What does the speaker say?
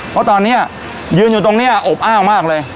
เพราะตอนนี้ยืนอยู่ตรงนี้อบอ้าวมากเลย